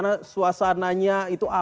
menggelar di tiker gitu ya